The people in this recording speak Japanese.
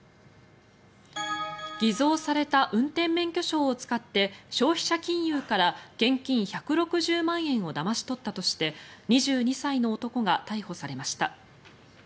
偽造された運転免許証を使って消費者金融から現金１６０万円をだまし取ったとして２２歳の男が逮捕されました。